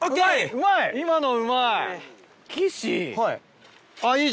うまい今のうまい。が！